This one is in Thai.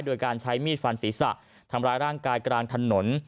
โดยการใช้มีดฟันศีรษะทำร้ายร่างกายกลางถนน